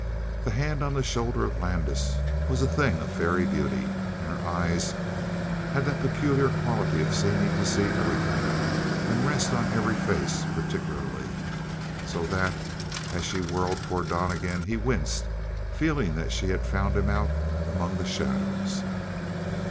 The hand on the shoulder of Landis was a thing of fairy beauty. And her eyes had that peculiar quality of seeming to see everything, and rest on every face particularly. So that, as she whirled toward Donnegan, he winced, feeling that she had found him out among the shadows.